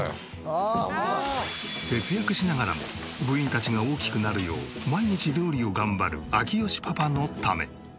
節約しながらも部員たちが大きくなるよう毎日料理を頑張る明慶パパのため。